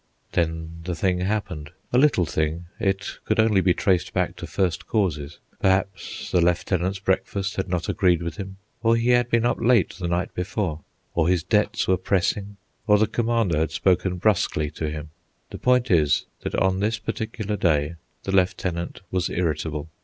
Then the thing happened. A little thing, it could only be traced back to first causes: perhaps the lieutenant's breakfast had not agreed with him; or he had been up late the night before; or his debts were pressing; or the commander had spoken brusquely to him. The point is, that on this particular day the lieutenant was irritable.